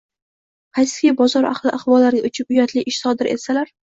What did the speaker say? Qaysiki, bozor ahli ig‘volariga uchib, uyatli ish sodir etsalar